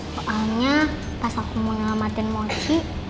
soalnya pas aku mau nyelamatin mochi